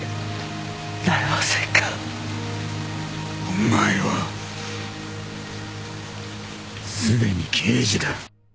お前はすでに刑事だ